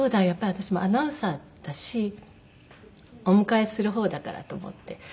やっぱり私もアナウンサーだしお迎えする方だからと思って。